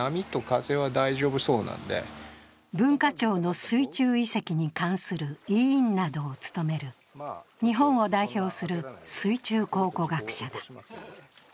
文化庁の水中遺跡に関する委員などを務める日本を代表する水中考古学者だ。